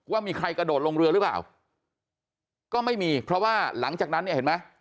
ว่ามีใครกระโดดลงเรือหรือเปล่าก็ไม่มีเพราะว่าหลังจากนั้นเนี่ยเห็นไหม